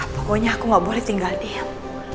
pokoknya aku gak boleh tinggal diem